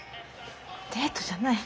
デートじゃない。